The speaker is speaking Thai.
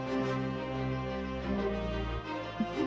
อืม